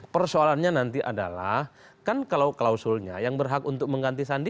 persoalannya nanti adalah kan kalau klausulnya yang berhak untuk mengganti sandi